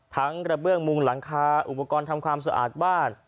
กระเบื้องมุงหลังคาอุปกรณ์ทำความสะอาดบ้าน